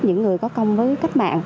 những người có công với các mẹ